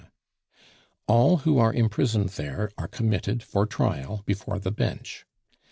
All who are imprisoned there are committed for trial before the Bench.